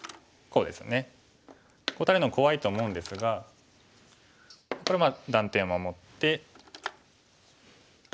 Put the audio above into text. こう打たれるのは怖いと思うんですがこれ断点を守って黒も守って。